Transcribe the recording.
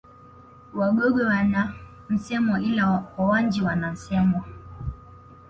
Wagogo wana Msemwa ila Wawanji wana Nsemwa